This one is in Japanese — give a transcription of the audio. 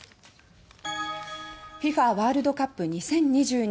ＦＩＦＡワールドカップ２０２２。